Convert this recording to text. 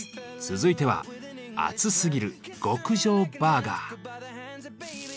続いては「アツすぎる！極上バーガー」。